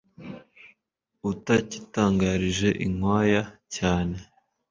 Utakitangirije inkwaya cyane